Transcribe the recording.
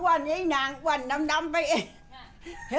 จำไปก็มีแค่นี้ถ้าเขาร์ไปก็เหล่ะ